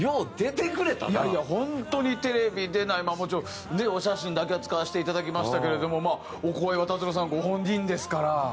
いやいや本当にテレビ出ないのはもちろんお写真だけは使わせていただきましたけれどもお声は達郎さんご本人ですから。